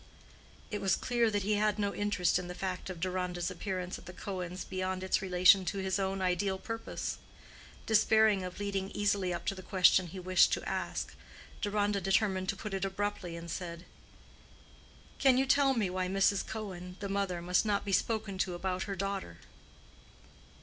It was clear that he had no interest in the fact of Deronda's appearance at the Cohens' beyond its relation to his own ideal purpose. Despairing of leading easily up to the question he wished to ask, Deronda determined to put it abruptly, and said, "Can you tell me why Mrs. Cohen, the mother, must not be spoken to about her daughter?"